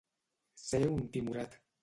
Ser un timorat.